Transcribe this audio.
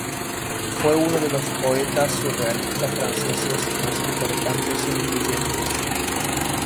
Fue uno de los poetas surrealistas franceses más importantes e influyentes.